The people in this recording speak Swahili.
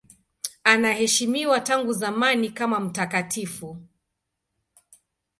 Anaheshimiwa tangu zamani kama mtakatifu.